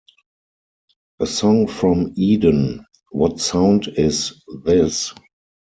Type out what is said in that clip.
A song from Eden, What Sound is This?